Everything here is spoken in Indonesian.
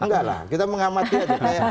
enggak lah kita mengamati aja